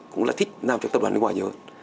cũng là thích làm cho tập đoàn nước ngoài nhiều hơn